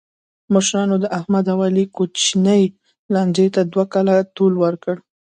مشرانو د احمد او علي کوچنۍ لانجې ته دوه کاله طول ورکړ.